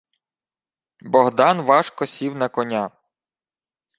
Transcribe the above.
Богдан важко сів на коня.